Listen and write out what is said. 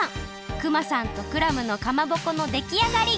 熊さんとクラムのかまぼこのできあがり！